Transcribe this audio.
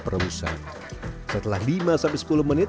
perebusan setelah lima sampai sepuluh menit